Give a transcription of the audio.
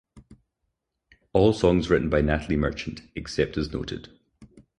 All songs written by Natalie Merchant except as noted.